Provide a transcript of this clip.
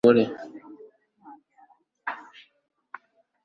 Numvise bavuga ko bigoye gushimisha umugore